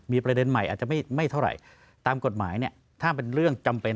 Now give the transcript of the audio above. มีประเด็นใหม่อาจจะไม่เท่าไหร่ตามกฎหมายเนี่ยถ้าเป็นเรื่องจำเป็น